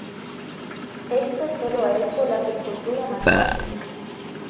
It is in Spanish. Esto sólo ha hecho la subcultura más fuerte".